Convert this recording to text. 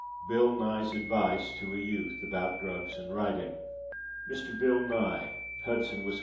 BILL NYE'S ADVICE TO A YOUTH ABOUT DRUGS AND WRITING. _Mr. Bill Nye, Hudson, Wis.